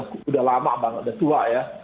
sudah lama bang udah tua ya